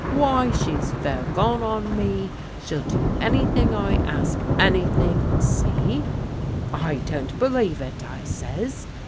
' Why, she's fair gone on me. She'll do anything I ask her — ^anything. *'' I don't believe it,' I says.